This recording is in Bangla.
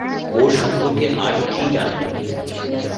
ওঁর সম্পর্কে আর কী জান তুমি?